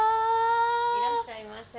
いらっしゃいませ。